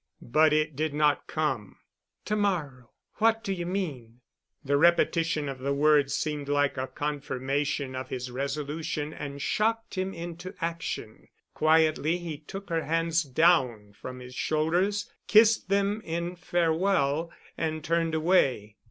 But it did not come. "To morrow. What do you mean?" The repetition of the word seemed like a confirmation of his resolution and shocked him into action. Quietly he took her hands down from his shoulders, kissed them in farewell, and turned away.